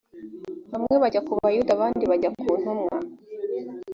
bamwe bajya ku bayuda abandi bajya ku ntumwa .